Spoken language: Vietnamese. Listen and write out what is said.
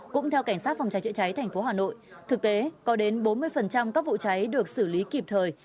cũng theo cảnh sát phòng cháy chữa cháy thành phố hà nội thực tế có đến bốn mươi các vụ cháy được xử lý kịp thời